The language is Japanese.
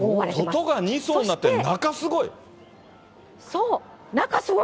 外が２層になって、中すごい。